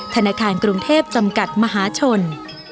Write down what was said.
ธนาคารกรุงเทพจำกัดมหาชน